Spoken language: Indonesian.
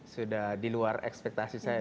sudah di luar ekspektasi saya